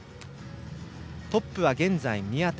トップは現在、宮田。